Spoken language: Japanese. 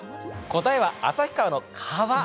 答えは旭川の川。